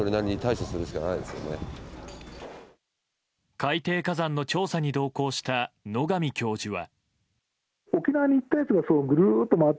海底火山の調査に同行した野上教授は。